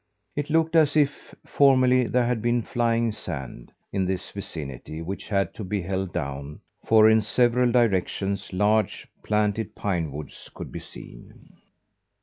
It looked as if, formerly, there had been flying sand in this vicinity which had to be held down; for in several directions large, planted pine woods could be seen.